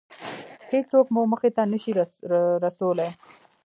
هېڅوک مو موخې ته نشي رسولی.